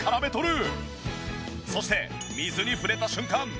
そして水に触れた瞬間